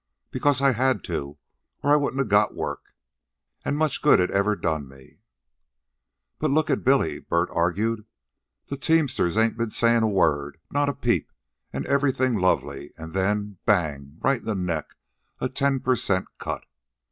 "Because I had to or I wouldn't a got work. An' much good it ever done me." "But look at Billy," Bert argued. "The teamsters ain't ben sayin' a word, not a peep, an' everything lovely, and then, bang, right in the neck, a ten per cent cut.